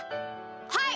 はい！